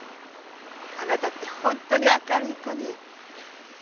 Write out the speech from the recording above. あなたって本当に明るい子ね。